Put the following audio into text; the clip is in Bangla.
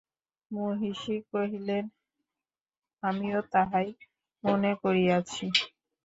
মহিষী কহিলেন, আমিও তাহাই মনে করিয়াছি।